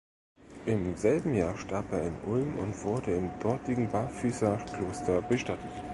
Im selben Jahr starb er in Ulm und wurde im dortigen Barfüßerkloster bestattet.